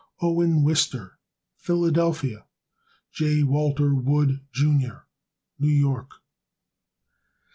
Owen Wister, Philadelphia, Pa. J. Walter Wood, Jr., New York.